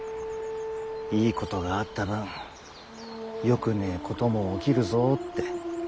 いいことがあった分よくねえことも起きるぞって。